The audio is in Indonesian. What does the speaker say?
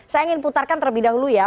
saya ingin putarkan terlebih dahulu ya